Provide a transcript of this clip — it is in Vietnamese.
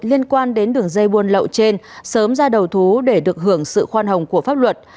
liên quan đến đường dây buôn lậu trên sớm ra đầu thú để được hưởng sự khoan hồng của pháp luật